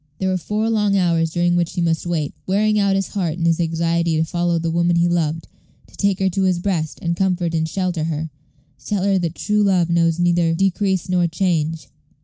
There were four long hours during which he must wait, wearing out his heart in his anxiety to follow the woman he loved to take her to his breast, and comfort and shelter her to tell her that true love knows neither decrease nor change.